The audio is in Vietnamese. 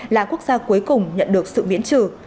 là quốc gia cuối cùng nhận được sự miễn trừ